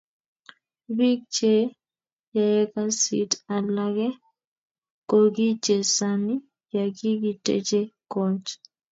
Bik che yaekasit alake kokichesani yakikiteche kot.